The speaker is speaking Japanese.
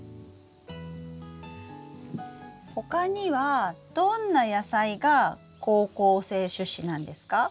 他にはどんな野菜が好光性種子なんですか？